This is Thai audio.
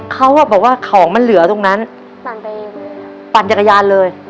เขาอ่ะบอกว่าของมันเหลือตรงนั้นปั่นไปปั่นจักรยานเลย